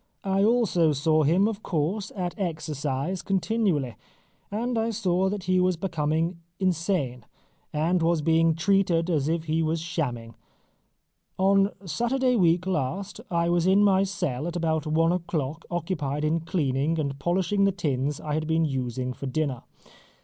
I also saw him, of course, at exercise continually, and I saw that he was becoming insane, and was being treated as if he was shamming. On Saturday week last, I was in my cell at about one o'clock occupied in cleaning and polishing the tins I had been using for dinner.